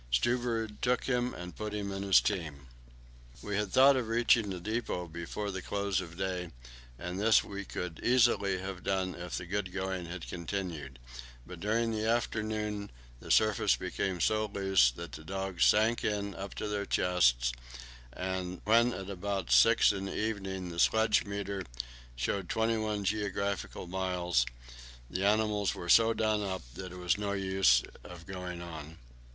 Stubberud took him and put him in his team. We had thought of reaching the depot before the close of the day, and this we could easily have done if the good going had continued; but during the afternoon the surface became so loose that the dogs sank in up to their chests, and when at about six in the evening the sledge meter showed twenty one geographical miles, the animals were so done up that it was no use going on.